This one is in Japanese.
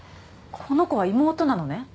この子は妹なのね？